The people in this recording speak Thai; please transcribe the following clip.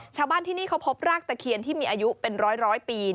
ชาวบ้านที่นี่เขาพบรากตะเคียนที่มีอายุเป็นร้อยปี